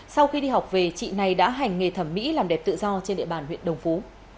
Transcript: sau khi đi học về chị này đã hành nghề thẩm mỹ làm đẹp tự do trên địa bàn huyện đồng phú